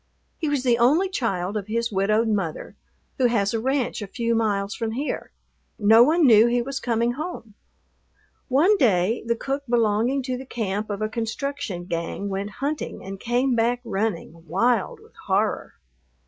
He was the only child of his widowed mother, who has a ranch a few miles from here. No one knew he was coming home. One day the cook belonging to the camp of a construction gang went hunting and came back running, wild with horror.